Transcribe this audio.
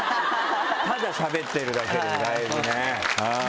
ただしゃべってるだけでだいぶね。